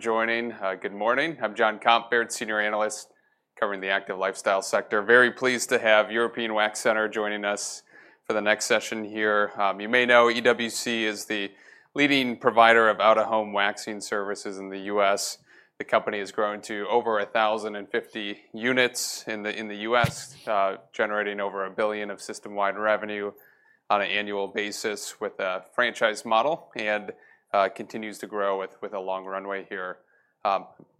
for joining. Good morning. I'm Jonathan Komp, senior analyst covering the active lifestyle sector. Very pleased to have European Wax Center joining us for the next session here. You may know EWC is the leading provider of out-of-home waxing services in the U.S. The company has grown to over 1,050 units in the U.S., generating over $1 billion of system-wide revenue on an annual basis with a franchise model, and continues to grow with a long runway here.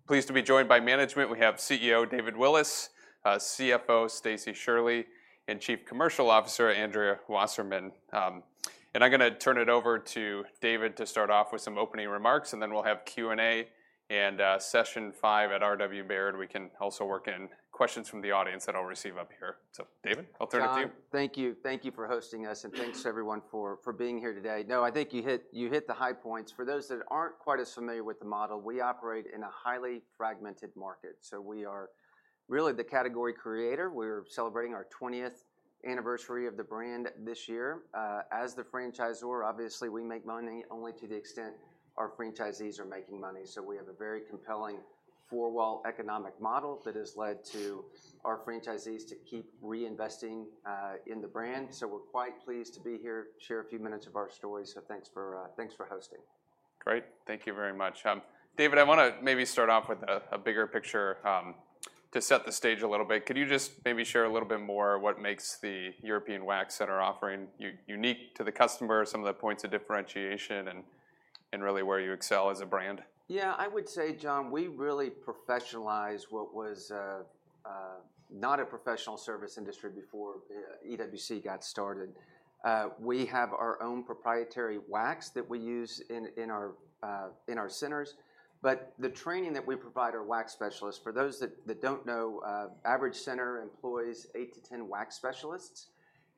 Pleased to be joined by management. We have CEO David Willis, CFO Stacie Shirley, and Chief Commercial Officer Andrea Wasserman. And I'm gonna turn it over to David to start off with some opening remarks, and then we'll have Q&A and session five at R.W. Baird. We can also work in questions from the audience that I'll receive up here. So, David, I'll turn it to you. John, thank you. Thank you for hosting us, and thanks everyone for being here today. No, I think you hit, you hit the high points. For those that aren't quite as familiar with the model, we operate in a highly fragmented market. So we are really the category creator. We're celebrating our twentieth anniversary of the brand this year. As the franchisor, obviously, we make money only to the extent our franchisees are making money. So we have a very compelling four-wall economic model that has led to our franchisees to keep reinvesting in the brand. So we're quite pleased to be here, share a few minutes of our story. So thanks for hosting. Great. Thank you very much. David, I want to maybe start off with a bigger picture to set the stage a little bit. Could you just maybe share a little bit more what makes the European Wax Center offering unique to the customer, some of the points of differentiation, and really where you excel as a brand? Yeah, I would say, John, we really professionalize what was not a professional service industry before EWC got started. We have our own proprietary wax that we use in our centers, but the training that we provide our wax specialists, for those that don't know, average center employs 8-10 wax specialists,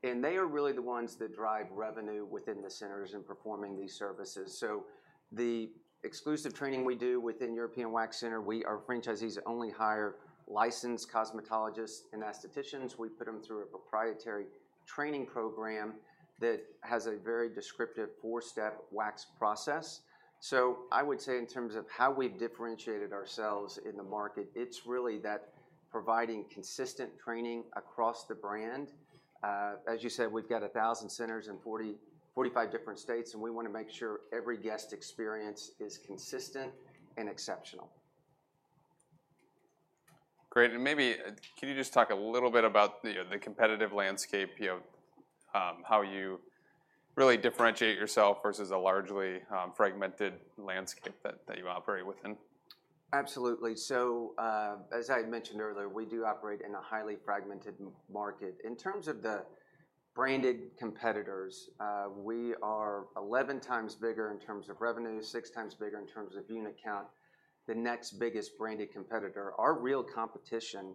and they are really the ones that drive revenue within the centers in performing these services. So the exclusive training we do within European Wax Center, we, our franchisees only hire licensed cosmetologists and estheticians. We put them through a proprietary training program that has a very descriptive 4-step wax process. So I would say in terms of how we've differentiated ourselves in the market, it's really that providing consistent training across the brand. As you said, we've got 1,000 centers in 40-45 different states, and we wanna make sure every guest experience is consistent and exceptional. Great, and maybe, can you just talk a little bit about the competitive landscape, you know, how you really differentiate yourself versus a largely fragmented landscape that you operate within? Absolutely. So, as I mentioned earlier, we do operate in a highly fragmented market. In terms of the branded competitors, we are 11x bigger in terms of revenue, 6x bigger in terms of unit count, the next biggest branded competitor. Our real competition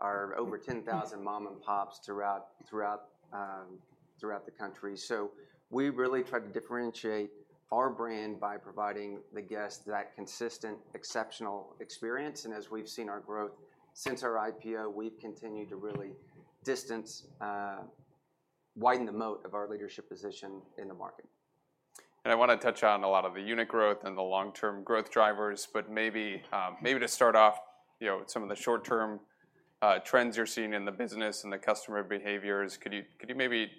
are over 10,000 mom-and-pops throughout the country. So we really try to differentiate our brand by providing the guest that consistent, exceptional experience, and as we've seen our growth since our IPO, we've continued to really distance, widen the moat of our leadership position in the market. I want to touch on a lot of the unit growth and the long-term growth drivers, but maybe to start off, you know, some of the short-term trends you're seeing in the business and the customer behaviors. Could you maybe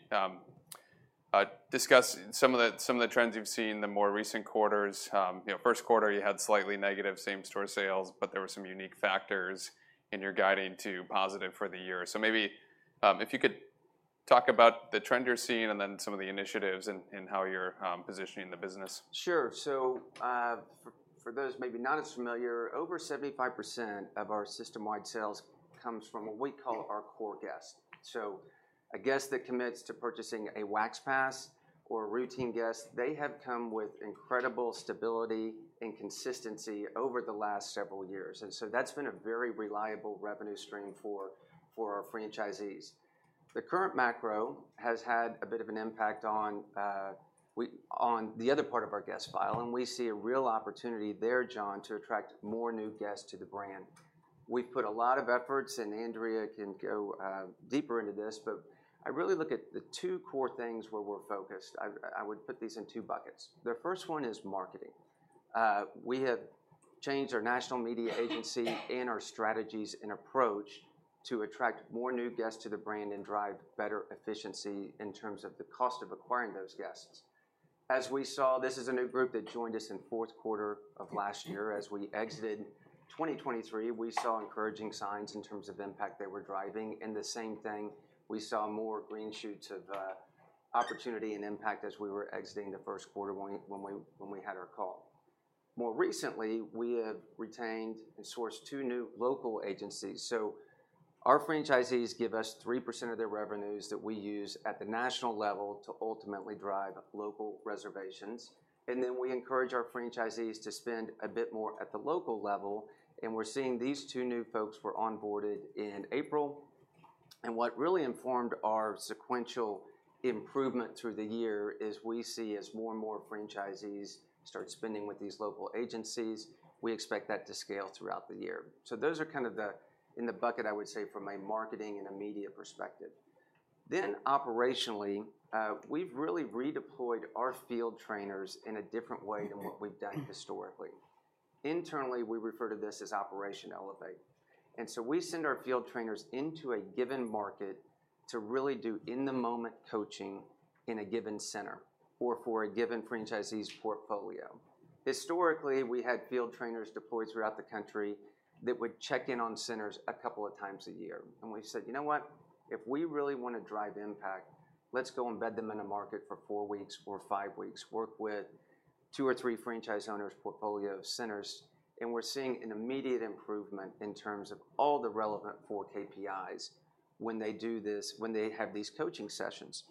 discuss some of the trends you've seen in the more recent quarters? You know, first quarter, you had slightly negative same-store sales, but there were some unique factors, and you're guiding to positive for the year. So maybe, if you could talk about the trend you're seeing, and then some of the initiatives and how you're positioning the business. Sure. So, for, for those maybe not as familiar, over 75% of our system-wide sales comes from what we call our core guest. So a guest that commits to purchasing a Wax Pass or a routine guest, they have come with incredible stability and consistency over the last several years, and so that's been a very reliable revenue stream for, for our franchisees. The current macro has had a bit of an impact on, we-- on the other part of our guest file, and we see a real opportunity there, John, to attract more new guests to the brand. We've put a lot of efforts, and Andrea can go, deeper into this, but I really look at the two core things where we're focused. I, I would put these in two buckets. The first one is marketing. We have changed our national media agency and our strategies and approach to attract more new guests to the brand and drive better efficiency in terms of the cost of acquiring those guests. As we saw, this is a new group that joined us in fourth quarter of last year. As we exited 2023, we saw encouraging signs in terms of impact they were driving, and the same thing, we saw more green shoots of opportunity and impact as we were exiting the first quarter when we had our call. More recently, we have retained and sourced two new local agencies. So our franchisees give us 3% of their revenues that we use at the national level to ultimately drive local reservations, and then we encourage our franchisees to spend a bit more at the local level, and we're seeing these two new folks were onboarded in April. And what really informed our sequential improvement through the year is, we see as more and more franchisees start spending with these local agencies, we expect that to scale throughout the year. So those are kind of the, in the bucket, I would say, from a marketing and a media perspective... then operationally, we've really redeployed our field trainers in a different way than what we've done historically. Internally, we refer to this as Operation Elevate, and so we send our field trainers into a given market to really do in-the-moment coaching in a given center or for a given franchisee's portfolio. Historically, we had field trainers deployed throughout the country that would check in on centers a couple of times a year, and we said, "You know what? If we really wanna drive impact, let's go embed them in a market for four weeks or five weeks, work with two or threee franchise owners' portfolio of centers," and we're seeing an immediate improvement in terms of all the relevant 4 KPIs when they do this, when they have these coaching sessions.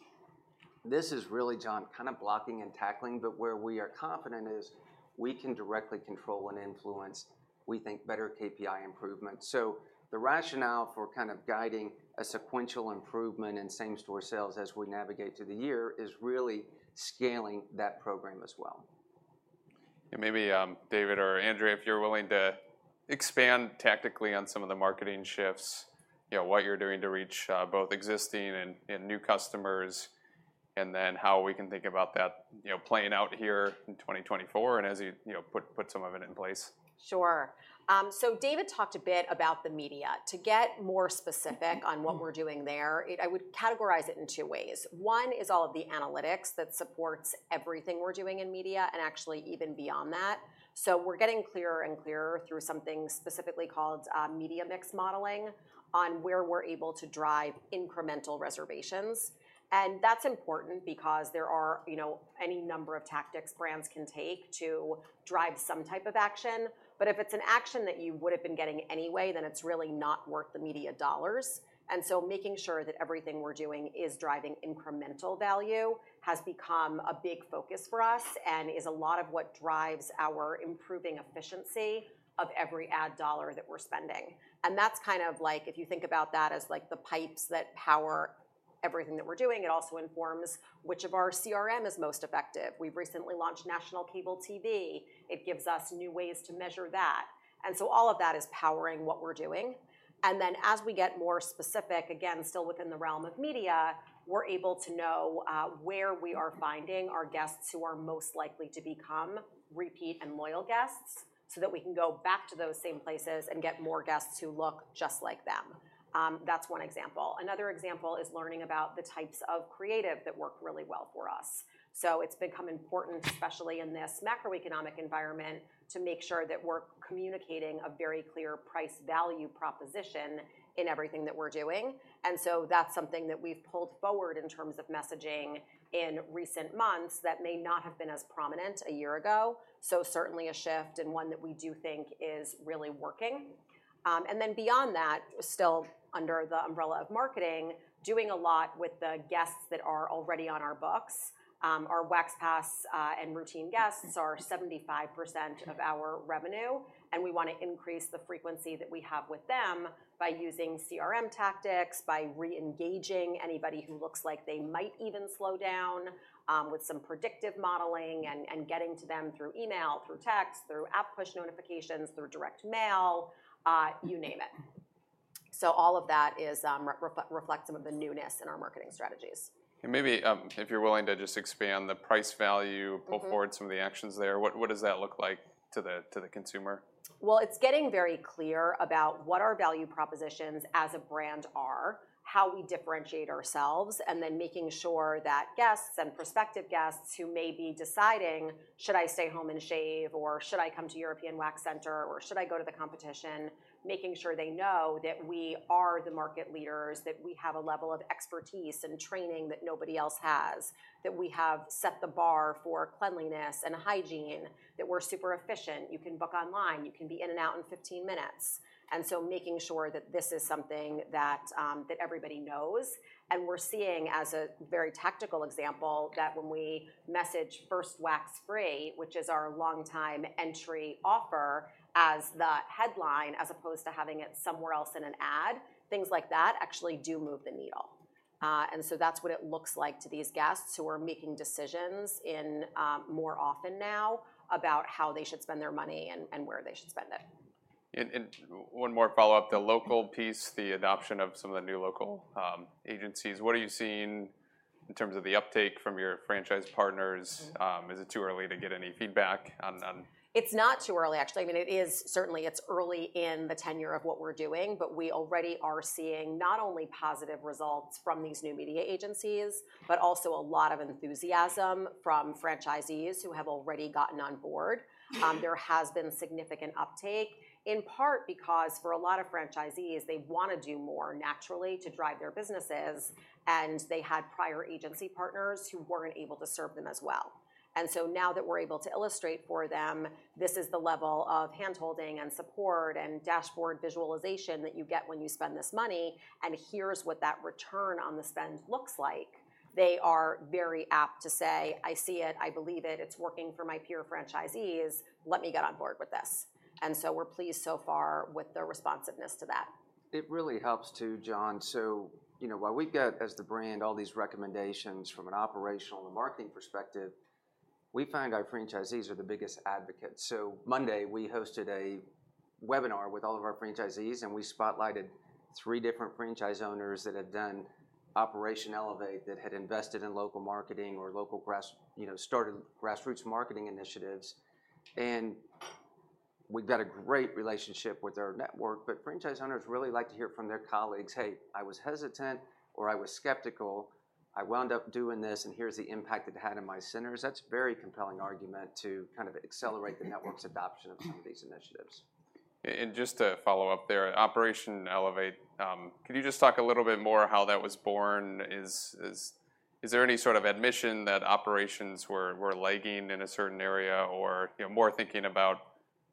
This is really, John, kind of blocking and tackling, but where we are confident is we can directly control and influence, we think, better KPI improvement. The rationale for kind of guiding a sequential improvement in same-store sales as we navigate through the year is really scaling that program as well. Maybe, David or Andrea, if you're willing to expand tactically on some of the marketing shifts, you know, what you're doing to reach both existing and new customers, and then how we can think about that, you know, playing out here in 2024, and as you, you know, put some of it in place. Sure. So David talked a bit about the media. To get more specific on what we're doing there, it. I would categorize it in two ways. One is all of the analytics that supports everything we're doing in media and actually even beyond that. So we're getting clearer and clearer through something specifically called Media Mix Modeling on where we're able to drive incremental reservations, and that's important because there are, you know, any number of tactics brands can take to drive some type of action, but if it's an action that you would've been getting anyway, then it's really not worth the media dollars. And so making sure that everything we're doing is driving incremental value has become a big focus for us and is a lot of what drives our improving efficiency of every ad dollar that we're spending. And that's kind of like, if you think about that as, like, the pipes that power everything that we're doing, it also informs which of our CRM is most effective. We've recently launched national cable TV. It gives us new ways to measure that, and so all of that is powering what we're doing. And then, as we get more specific, again, still within the realm of media, we're able to know where we are finding our guests who are most likely to become repeat and loyal guests, so that we can go back to those same places and get more guests who look just like them. That's one example. Another example is learning about the types of creative that work really well for us. So it's become important, especially in this macroeconomic environment, to make sure that we're communicating a very clear price value proposition in everything that we're doing, and so that's something that we've pulled forward in terms of messaging in recent months that may not have been as prominent a year ago. So certainly a shift, and one that we do think is really working. And then beyond that, still under the umbrella of marketing, doing a lot with the guests that are already on our books. Our Wax Pass and routine guests are 75% of our revenue, and we wanna increase the frequency that we have with them by using CRM tactics, by re-engaging anybody who looks like they might even slow down, with some predictive modeling and getting to them through email, through text, through app push notifications, through direct mail, you name it. So all of that is reflect some of the newness in our marketing strategies. Maybe, if you're willing to just expand the price value- Mm-hmm... pull forward some of the actions there. What, what does that look like to the, to the consumer? Well, it's getting very clear about what our value propositions as a brand are, how we differentiate ourselves, and then making sure that guests and prospective guests who may be deciding, "Should I stay home and shave, or should I come to European Wax Center, or should I go to the competition?" Making sure they know that we are the market leaders, that we have a level of expertise and training that nobody else has, that we have set the bar for cleanliness and hygiene, that we're super efficient. You can book online. You can be in and out in 15 minutes, and so making sure that this is something that, that everybody knows. We're seeing, as a very tactical example, that when we message First Wax Free, which is our longtime entry offer, as the headline, as opposed to having it somewhere else in an ad, things like that actually do move the needle. And so that's what it looks like to these guests who are making decisions in, more often now about how they should spend their money and, and where they should spend it. And one more follow-up, the local piece, the adoption of some of the new local agencies, what are you seeing in terms of the uptake from your franchise partners? Is it too early to get any feedback on, on- It's not too early, actually. I mean, it is—certainly, it's early in the tenure of what we're doing, but we already are seeing not only positive results from these new media agencies, but also a lot of enthusiasm from franchisees who have already gotten on board. There has been significant uptake, in part because, for a lot of franchisees, they want to do more naturally to drive their businesses, and they had prior agency partners who weren't able to serve them as well. And so now that we're able to illustrate for them, this is the level of hand-holding and support and dashboard visualization that you get when you spend this money, and here's what that return on the spend looks like, they are very apt to say, "I see it. I believe it. It's working for my peer franchisees. Let me get on board with this." So we're pleased so far with the responsiveness to that. It really helps, too, John, so, you know, while we get, as the brand, all these recommendations from an operational and marketing perspective, we find our franchisees are the biggest advocates. So Monday, we hosted a webinar with all of our franchisees, and we spotlighted three different franchise owners that had done Operation Elevate, that had invested in local marketing or local grass, you know, started grassroots marketing initiatives. And we've got a great relationship with our network, but franchise owners really like to hear from their colleagues: "Hey, I was hesitant, or I was skeptical. I wound up doing this, and here's the impact it had on my centers." That's a very compelling argument to kind of accelerate the network's adoption of some of these initiatives. And just to follow up there, Operation Elevate, can you just talk a little bit more how that was born? Is there any sort of admission that operations were lagging in a certain area, or, you know, more thinking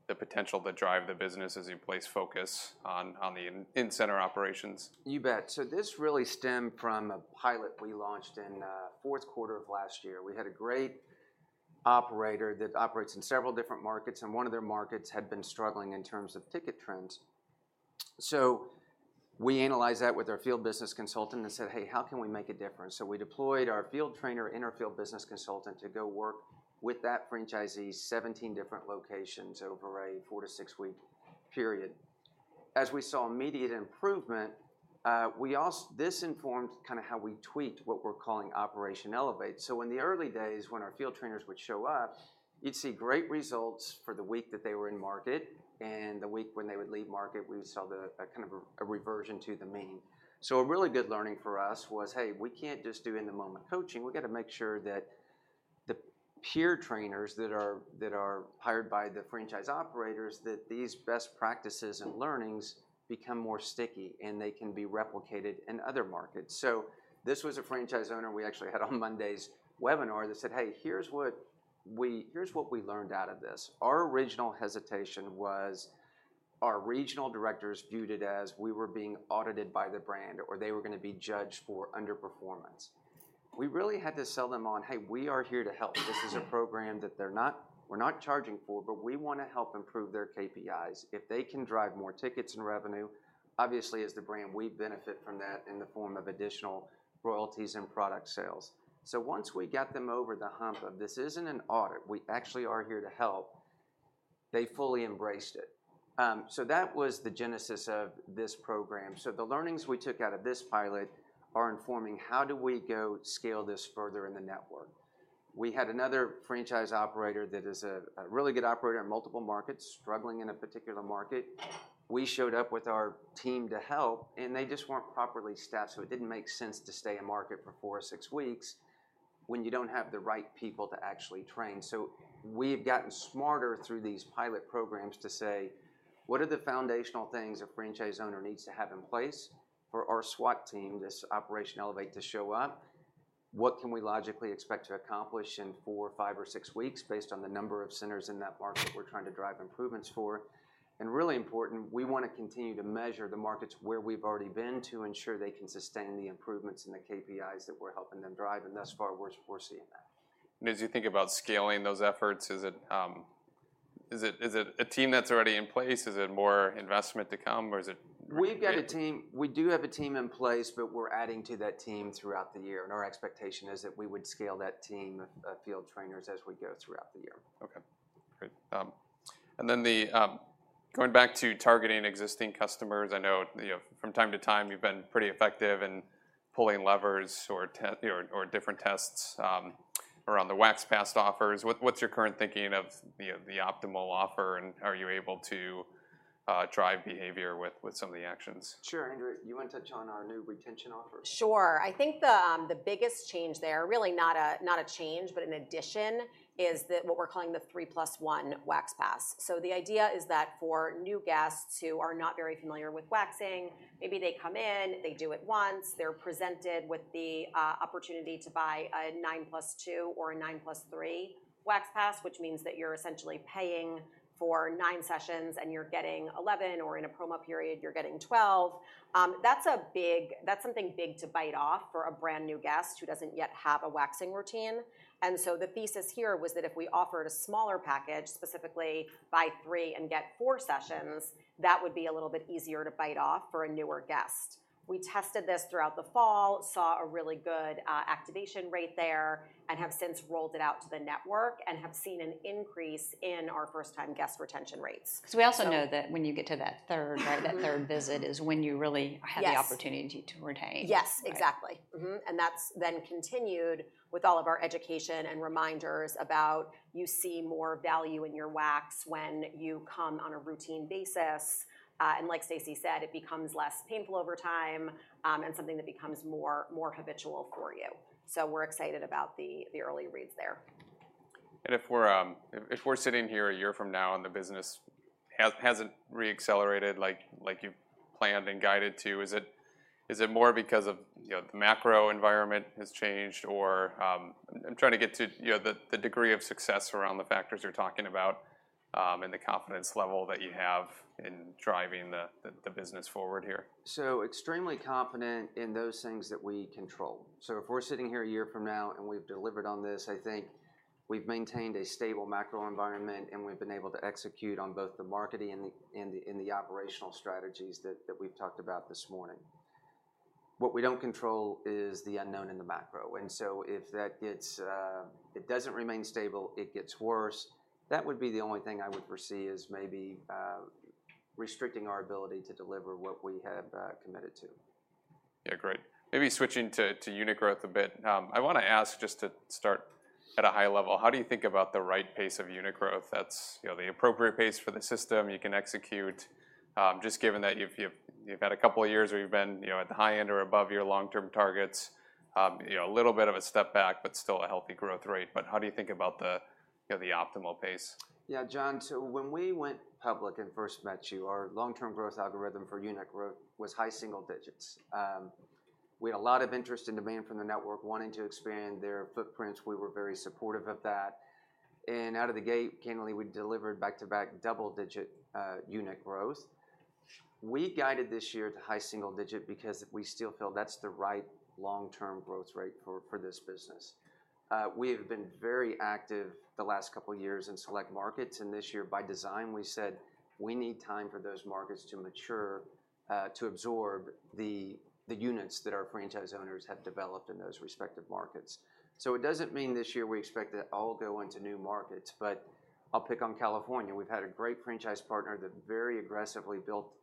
about the potential to drive the business as you place focus on the in-center operations? You bet. So this really stemmed from a pilot we launched in fourth quarter of last year. We had a great operator that operates in several different markets, and one of their markets had been struggling in terms of ticket trends. So we analyzed that with our field business consultant and said, "Hey, how can we make a difference?" So we deployed our field trainer and our field business consultant to go work with that franchisee, 17 different locations over a four-to-six-week period. As we saw immediate improvement, this informed kind of how we tweaked what we're calling Operation Elevate. So in the early days, when our field trainers would show up, you'd see great results for the week that they were in market, and the week when they would leave market, we would see a kind of reversion to the mean. So a really good learning for us was, hey, we can't just do in-the-moment coaching. We've got to make sure that the peer trainers that are hired by the franchise operators, that these best practices and learnings become more sticky, and they can be replicated in other markets. So this was a franchise owner we actually had on Monday's webinar that said: "Hey, here's what we learned out of this. Our original hesitation was our regional directors viewed it as we were being audited by the brand, or they were going to be judged for underperformance." We really had to sell them on, "Hey, we are here to help." This is a program that we're not charging for, but we want to help improve their KPIs. If they can drive more tickets and revenue, obviously, as the brand, we benefit from that in the form of additional royalties and product sales. So once we got them over the hump of, "This isn't an audit, we actually are here to help," they fully embraced it. So that was the genesis of this program. So the learnings we took out of this pilot are informing how do we go scale this further in the network? We had another franchise operator that is a really good operator in multiple markets, struggling in a particular market. We showed up with our team to help, and they just weren't properly staffed, so it didn't make sense to stay in market for four or six weeks when you don't have the right people to actually train. So we've gotten smarter through these pilot programs to say: What are the foundational things a franchise owner needs to have in place for our SWAT team, this Operation Elevate, to show up? What can we logically expect to accomplish in four, five, or six weeks, based on the number of centers in that market we're trying to drive improvements for? Really important, we want to continue to measure the markets where we've already been to ensure they can sustain the improvements and the KPIs that we're helping them drive, and thus far, we've seen that. And as you think about scaling those efforts, is it a team that's already in place? Is it more investment to come, or is it- We do have a team in place, but we're adding to that team throughout the year, and our expectation is that we would scale that team of field trainers as we go throughout the year. Okay, great. Going back to targeting existing customers, I know, you know, from time to time, you've been pretty effective in pulling levers or different tests around the Wax Pass offers. What's your current thinking of the optimal offer, and are you able to drive behavior with some of the actions? Sure. Andrea, do you want to touch on our new retention offer? Sure. I think the biggest change there, really not a change, but an addition, is what we're calling the 3 + 1 Wax Pass. So the idea is that for new guests who are not very familiar with waxing, maybe they come in, they do it once. They're presented with the opportunity to buy a 9 + 2 or a 9 + 3 Wax Pass, which means that you're essentially paying for 9 sessions, and you're getting 11, or in a promo period, you're getting 12. That's something big to bite off for a brand-new guest who doesn't yet have a waxing routine, and so the thesis here was that if we offered a smaller package, specifically buy 3 and get 4 sessions, that would be a little bit easier to bite off for a newer guest. We tested this throughout the fall, saw a really good activation rate there and have since rolled it out to the network and have seen an increase in our first-time guest retention rates. So- 'Cause we also know that when you get to that third- Mm-hmm... that third visit is when you really have- Yes... the opportunity to retain. Yes, exactly. Right. Mm-hmm, and that's then continued with all of our education and reminders about, you see more value in your wax when you come on a routine basis, and like Stacie said, it becomes less painful over time, and something that becomes more habitual for you. So we're excited about the early reads there. If we're sitting here a year from now and the business hasn't re-accelerated like you've planned and guided to, is it more because of, you know, the macro environment has changed? Or, I'm trying to get to, you know, the degree of success around the factors you're talking about, and the confidence level that you have in driving the business forward here. Extremely confident in those things that we control. So if we're sitting here a year from now and we've delivered on this, I think we've maintained a stable macro environment, and we've been able to execute on both the marketing and the operational strategies that we've talked about this morning. What we don't control is the unknown in the macro. And so if that gets, it doesn't remain stable, it gets worse, that would be the only thing I would foresee is maybe restricting our ability to deliver what we have committed to. Yeah, great. Maybe switching to unit growth a bit. I wanna ask, just to start at a high level, how do you think about the right pace of unit growth that's, you know, the appropriate pace for the system you can execute? Just given that you've had a couple of years where you've been, you know, at the high end or above your long-term targets. You know, a little bit of a step back, but still a healthy growth rate. But how do you think about the, you know, the optimal pace? Yeah, John, so when we went public and first met you, our long-term growth algorithm for unit growth was high single digits. We had a lot of interest and demand from the network wanting to expand their footprints. We were very supportive of that. And out of the gate, candidly, we delivered back-to-back double-digit unit growth. We guided this year to high single digit because we still feel that's the right long-term growth rate for this business. We have been very active the last couple of years in select markets, and this year, by design, we said we need time for those markets to mature, to absorb the units that our franchise owners have developed in those respective markets. So it doesn't mean this year we expect to all go into new markets, but I'll pick on California. We've had a great franchise partner that very aggressively built,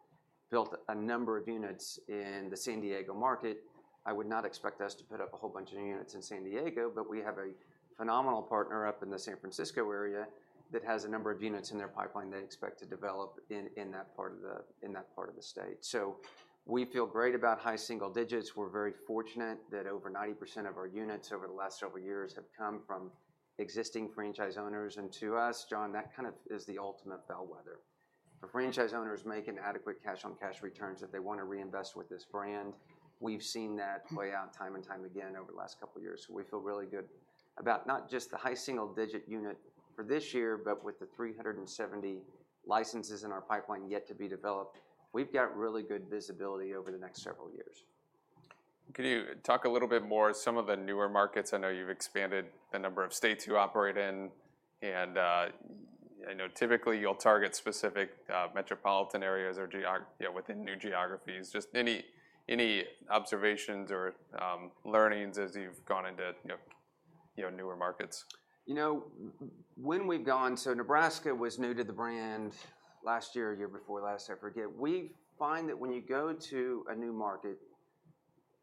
built a number of units in the San Diego market. I would not expect us to put up a whole bunch of new units in San Diego, but we have a phenomenal partner up in the San Francisco area that has a number of units in their pipeline they expect to develop in that part of the state. So we feel great about high single digits. We're very fortunate that over 90% of our units over the last several years have come from existing franchise owners. And to us, John, that kind of is the ultimate bellwether. For franchise owners making adequate cash-on-cash returns that they want to reinvest with this brand, we've seen that play out time and time again over the last couple of years. We feel really good about not just the high single-digit unit for this year, but with the 370 licenses in our pipeline yet to be developed, we've got really good visibility over the next several years. Can you talk a little bit more, some of the newer markets? I know you've expanded the number of states you operate in, and I know typically you'll target specific metropolitan areas or within new geographies. Just any observations or learnings as you've gone into, you know, newer markets? You know, when we've gone... So Nebraska was new to the brand last year or year before last, I forget. We find that when you go to a new market,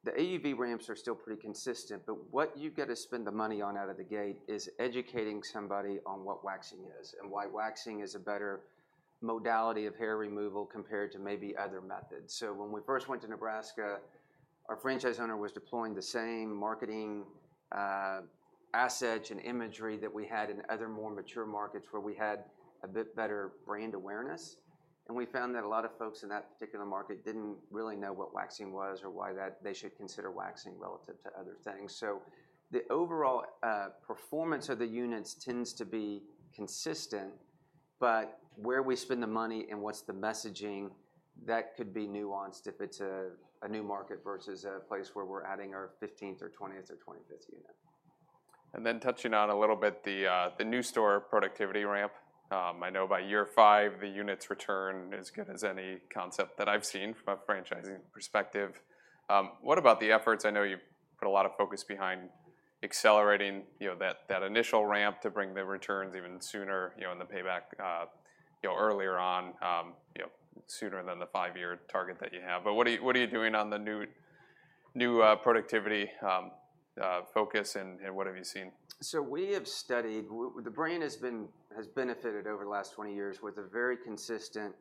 the AUV ramps are still pretty consistent, but what you've got to spend the money on out of the gate is educating somebody on what waxing is and why waxing is a better modality of hair removal compared to maybe other methods. So when we first went to Nebraska, our franchise owner was deploying the same marketing assets and imagery that we had in other more mature markets, where we had a bit better brand awareness. And we found that a lot of folks in that particular market didn't really know what waxing was or why that they should consider waxing relative to other things. The overall performance of the units tends to be consistent, but where we spend the money and what's the messaging, that could be nuanced if it's a new market versus a place where we're adding our 15th or 20th or 25th unit. And then touching on a little bit, the new store productivity ramp. I know by year five, the units return as good as any concept that I've seen from a franchising perspective. What about the efforts? I know you've put a lot of focus behind accelerating, you know, that initial ramp to bring the returns even sooner, you know, and the payback, earlier on, you know, sooner than the five-year target that you have. But what are you doing on the new productivity focus, and what have you seen? So we have studied what the brand has been, has benefited over the last 20 years with a very consistent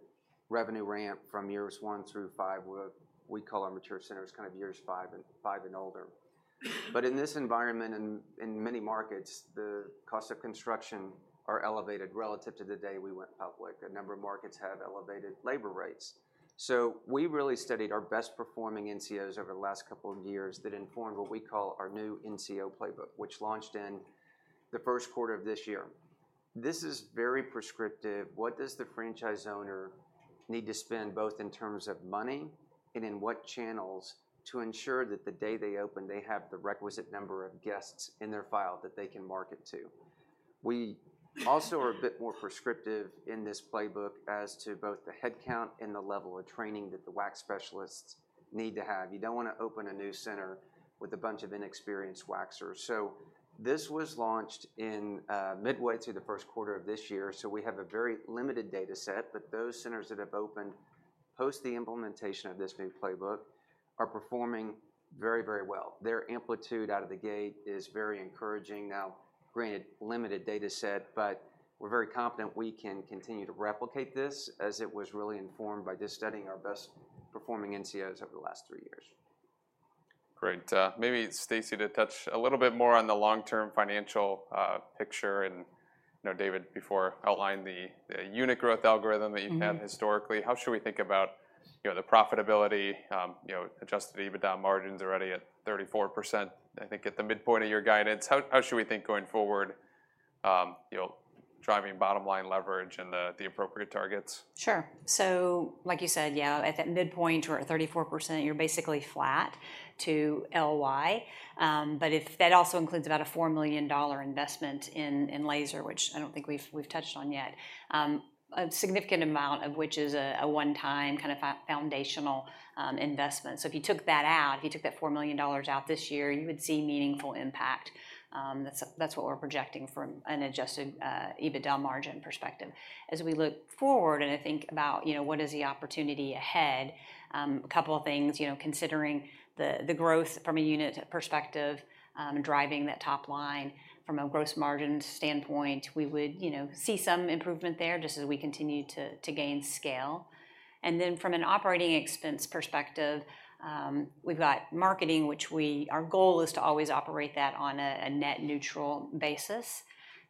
revenue ramp from years one through five. What we call our mature center is kind of years five and older. But in this environment and in many markets, the cost of construction are elevated relative to the day we went public. A number of markets have elevated labor rates. So we really studied our best performing NCOs over the last couple of years that informed what we call our new NCO Playbook, which launched in the first quarter of this year. This is very prescriptive. What does the franchise owner need to spend, both in terms of money and in what channels, to ensure that the day they open, they have the requisite number of guests in their file that they can market to? We also are a bit more prescriptive in this playbook as to both the headcount and the level of training that the wax specialists need to have. You don't want to open a new center with a bunch of inexperienced waxers. So this was launched in, midway through the first quarter of this year, so we have a very limited data set. But those centers that have opened post the implementation of this new playbook are performing very, very well. Their amplitude out of the gate is very encouraging. Now, granted, limited data set, but we're very confident we can continue to replicate this, as it was really informed by just studying our best performing NCOs over the last three years. Great. Maybe, Stacie, to touch a little bit more on the long-term financial picture. And, you know, David, before outlined the unit growth algorithm that you've had historically. Mm-hmm. How should we think about, you know, the profitability? You know, adjusted EBITDA margins already at 34%, I think, at the midpoint of your guidance. How, how should we think going forward? You know, driving bottom line leverage and the, the appropriate targets? Sure. So like you said, yeah, at that midpoint, we're at 34%, you're basically flat to LY. But if that also includes about a $4 million investment in laser, which I don't think we've touched on yet. A significant amount of which is a one-time kind of foundational investment. So if you took that out, if you took that $4 million out this year, you would see meaningful impact. That's what we're projecting from an adjusted EBITDA margin perspective. As we look forward, and I think about, you know, what is the opportunity ahead, a couple of things, you know, considering the growth from a unit perspective, driving that top line from a gross margin standpoint, we would, you know, see some improvement there just as we continue to gain scale. From an operating expense perspective, we've got marketing, which our goal is to always operate that on a net neutral basis.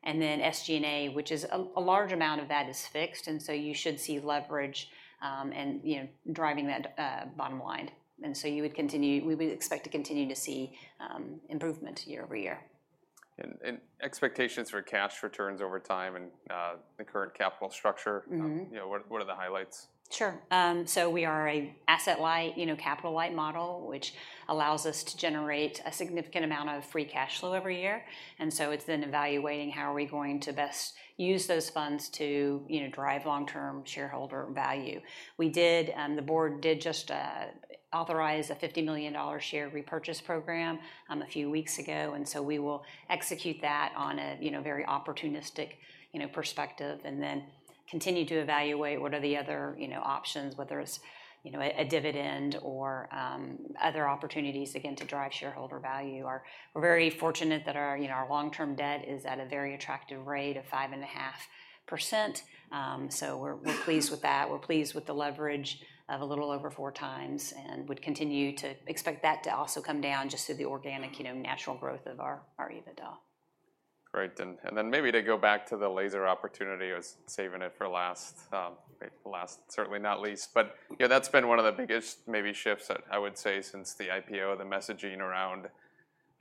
Then SG&A, which is a large amount of that is fixed, and so you should see leverage, and, you know, driving that bottom line. So we would expect to continue to see improvement year-over-year. Expectations for cash returns over time and the current capital structure- Mm-hmm. you know, what, what are the highlights? Sure. So we are an asset-light, you know, capital-light model, which allows us to generate a significant amount of free cash flow every year. So it's then evaluating how are we going to best use those funds to, you know, drive long-term shareholder value. We did, and the board did just authorize a $50 million share repurchase program a few weeks ago, and so we will execute that on a, you know, very opportunistic, you know, perspective, and then continue to evaluate what are the other, you know, options, whether it's, you know, a, a dividend or other opportunities, again, to drive shareholder value. We're very fortunate that our, you know, our long-term debt is at a very attractive rate of 5.5%. So we're, we're pleased with that. We're pleased with the leverage of a little over 4x and would continue to expect that to also come down just through the organic, you know, natural growth of our EBITDA. Great, and then maybe to go back to the laser opportunity. I was saving it for last, last, certainly not least, but yeah, that's been one of the biggest maybe shifts that I would say since the IPO, the messaging around, you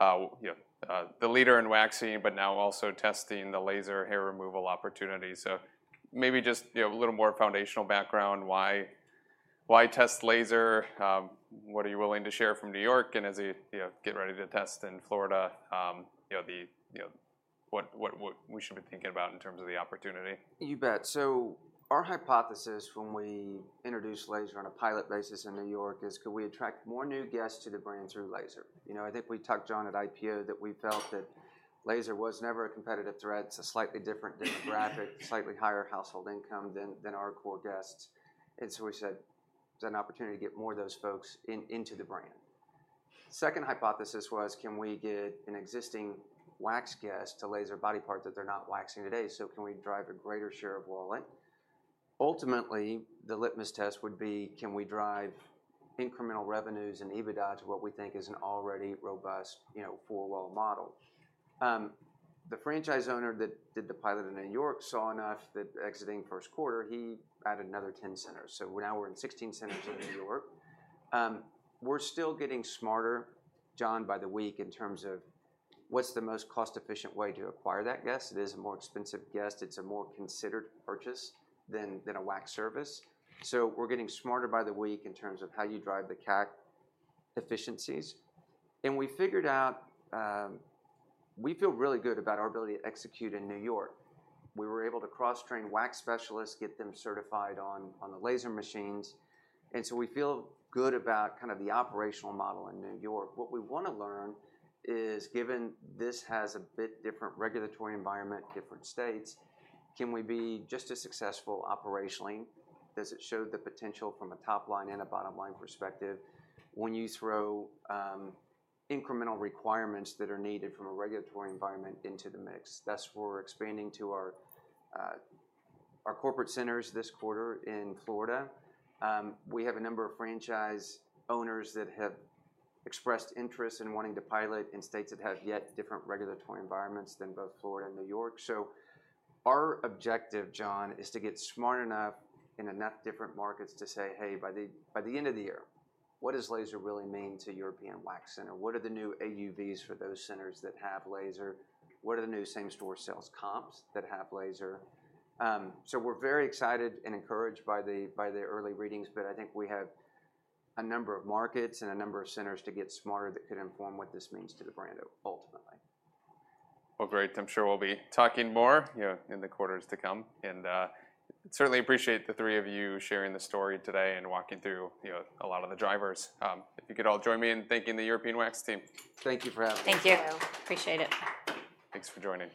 know, the leader in waxing, but now also testing the laser hair removal opportunity. So maybe just, you know, a little more foundational background, why, why test laser? What are you willing to share from New York? And as you, you know, get ready to test in Florida, you know, the, you know, what, what, what we should be thinking about in terms of the opportunity. You bet. So our hypothesis when we introduced laser on a pilot basis in New York is, could we attract more new guests to the brand through laser? You know, I think we talked, John, at IPO, that we felt that laser was never a competitive threat. It's a slightly different demographic, slightly higher household income than our core guests. And so we said, "It's an opportunity to get more of those folks into the brand." Second hypothesis was, can we get an existing wax guest to laser a body part that they're not waxing today? So can we drive a greater share of wallet? Ultimately, the litmus test would be, can we drive incremental revenues and EBITDA to what we think is an already robust, you know, four-wall model? The franchise owner that did the pilot in New York saw enough that exiting first quarter, he added another 10 centers. So now we're in 16 centers in New York. We're still getting smarter, John, by the week, in terms of what's the most cost-efficient way to acquire that guest. It is a more expensive guest. It's a more considered purchase than a wax service. So we're getting smarter by the week in terms of how you drive the CAC efficiencies. And we figured out, we feel really good about our ability to execute in New York. We were able to cross-train wax specialists, get them certified on the laser machines, and so we feel good about kind of the operational model in New York. What we want to learn is, given this has a bit different regulatory environment, different states, can we be just as successful operationally as it showed the potential from a top-line and a bottom-line perspective when you throw, incremental requirements that are needed from a regulatory environment into the mix? That's why we're expanding to our, our corporate centers this quarter in Florida. We have a number of franchise owners that have expressed interest in wanting to pilot in states that have yet different regulatory environments than both Florida and New York. So our objective, John, is to get smart enough in enough different markets to say, "Hey, by the end of the year, what does laser really mean to European Wax Center? What are the new AUVs for those centers that have laser? What are the new same-store sales comps that have laser? So we're very excited and encouraged by the early readings, but I think we have a number of markets and a number of centers to get smarter that could inform what this means to the brand ultimately. Well, great. I'm sure we'll be talking more, you know, in the quarters to come, and certainly appreciate the three of you sharing the story today and walking through, you know, a lot of the drivers. If you could all join me in thanking the European Wax team. Thank you for having us. Thank you. Thank you. Appreciate it. Thanks for joining.